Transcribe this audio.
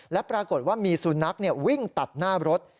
และปรากฏว่ามีสุนัขวิ่งตัดหน้ารถ